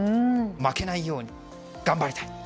負けないように頑張りたい。